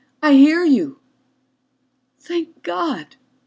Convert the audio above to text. I hear you!" "Thank God!"